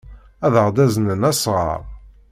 Ad aɣ-d-aznen asɣar.